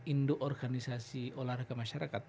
indo organisasi olahraga masyarakat